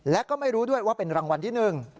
และก็ไม่รู้ด้วยว่าเป็นรางวัลที่๑